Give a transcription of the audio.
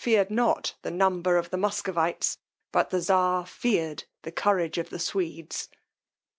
feared not the number of the Muscovites, but the czar feared the courage of the Swedes.